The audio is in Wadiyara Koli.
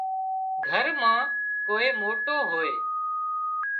گھر مان ڪوئي موٽو هوئي